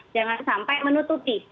jangan sampai menutupi